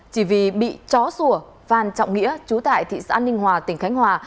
chỉ vì bị chó sủa phan trọng nghĩa chú tại thị xã ninh hòa tỉnh khánh hòa